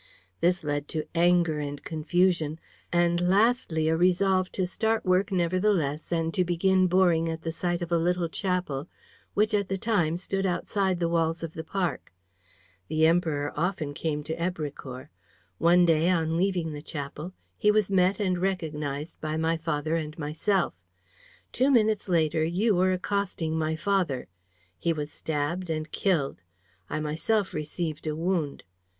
This led to anger and confusion and lastly a resolve to start work, nevertheless, and to begin boring at the site of a little chapel which, at that time, stood outside the walls of the park. The Emperor came often to Èbrecourt. One day, on leaving the chapel, he was met and recognized by my father and myself. Two minutes later, you were accosting my father. He was stabbed and killed. I myself received a wound.